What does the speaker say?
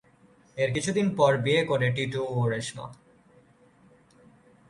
এর কিছুদিন পর বিয়ে করে টিটু ও রেশমা।